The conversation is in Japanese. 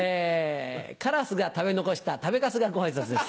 カラスが食べ残した食べかすがご挨拶です。